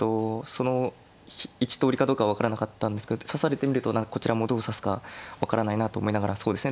その１通りかどうか分からなかったんですけど指されてみるとこちらもどう指すか分からないなと思いながらそうですね